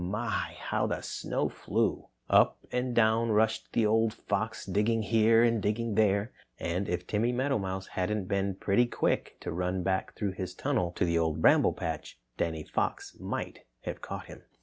My, how the snow flew! Up and down rushed the old fox, digging here and digging there, and if Timmy Meadowmouse hadn't been pretty quick to run back through his tunnel to the Old Bramble Patch, Danny Fox might have caught him.